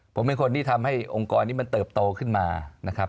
ผมเป็นคนที่ทำให้องค์กรนี้มันเติบโตขึ้นมานะครับ